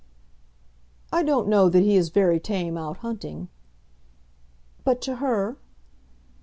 "I don't know that he is very tame out hunting." "But to her?"